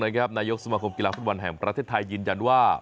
นายกสมาคมกีฬาฟุตบอลแห่งประเทศไทยยืนยันว่า